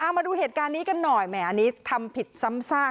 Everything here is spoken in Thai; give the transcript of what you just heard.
มาดูเหตุการณ์นี้กันหน่อยแหมอันนี้ทำผิดซ้ำซาก